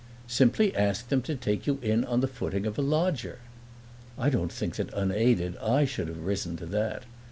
"Simply ask them to take you in on the footing of a lodger" I don't think that unaided I should have risen to that.